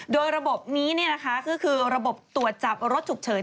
โดยระบบนี้ก็คือระบบตรวจจับรถฉุกเฉิน